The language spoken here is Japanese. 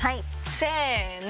せの！